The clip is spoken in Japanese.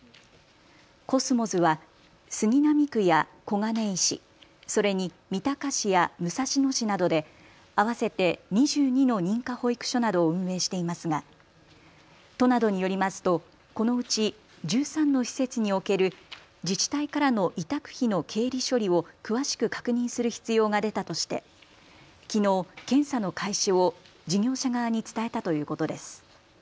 コスモズは杉並区や小金井市、それに三鷹市や武蔵野市などで合わせて２２の認可保育所などを運営していますが都などによりますとこのうち１３の施設における自治体からの委託費の経理処理を詳しく確認する必要が出たとしてきのう、検査の開始を事業者側に伝えたということです。